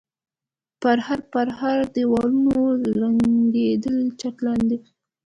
د پرهر پرهر دېوالونو زنګېدلي چت لاندې.